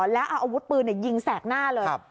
แล้วเอาอาวุธปืนยิงแสกหน้าเลย